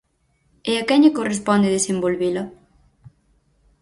¿E a quen lle corresponde desenvolvela?